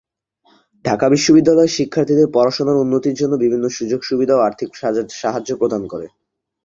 ঢাকা বিশ্ববিদ্যালয়ের শিক্ষার্থীদের পড়াশোনার উন্নতির জন্য বিভিন্ন সুযোগ-সুবিধা ও আর্থিক সাহায্য প্রদান করে।